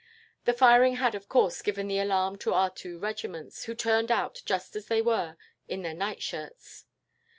"The firing had, of course, given the alarm to our two regiments, who turned out just as they were, in their nightshirts.